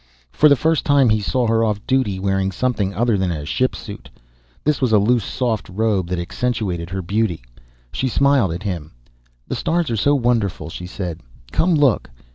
For the first time he saw her off duty, wearing something other than a shipsuit. This was a loose, soft robe that accentuated her beauty. She smiled at him. "The stars are so wonderful," she said. "Come look."